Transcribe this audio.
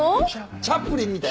チャップリンみたい。